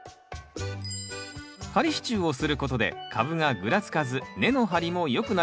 仮支柱をすることで株がぐらつかず根の張りもよくなります。